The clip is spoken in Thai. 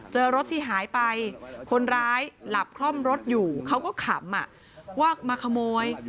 เจอรถที่หายไปคนร้ายหลับคล่อมรถอยู่เขาก็ขำว่ามาขโมย